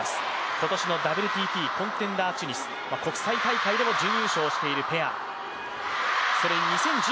今年のＷＴＴ、コンテンダーチュニス、国際大会でも準優勝しているペア。